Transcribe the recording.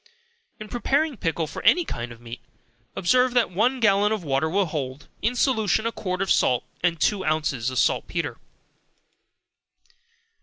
In preparing pickle for any kind of meat, observe that one gallon of water will hold, in solution, a quart of salt and two ounces of saltpetre.